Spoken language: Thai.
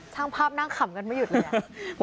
ช่างภาพนั่งขำกันไม่หยุดเลยอะ